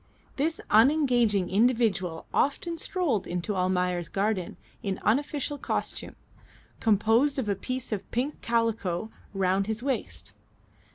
This unengaging individual often strolled into Almayer's garden in unofficial costume, composed of a piece of pink calico round his waist.